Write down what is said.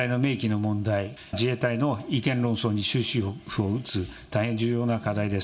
自衛隊の明記の問題、自衛隊の違憲論争に終止符を打つ、大変重要な課題です。